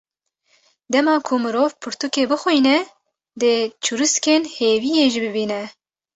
Dema ku mirov pirtûkê bixwîne, dê çirûskên hêviyê jî bibîne ….